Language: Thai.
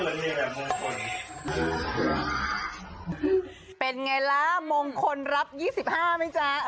ขัดขาคุณผู้ชมเดี๋ยว